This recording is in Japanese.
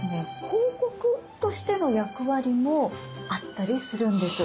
広告としての役割もあったりするんです。